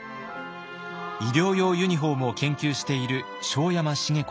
医療用ユニフォームを研究している庄山茂子さん。